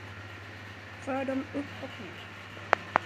För dem upp och ner.